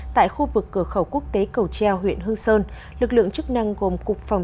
tại khu vực cửa khẩu quốc tế cầu treo huyện hương sơn lực lượng chức năng gồm cục phòng